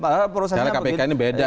karena kpk ini beda ya